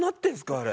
あれ。